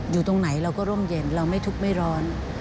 อยู่ตรงไหนเราก็ร่มเย็นเราไม่ทุกข์ไม่ร้อน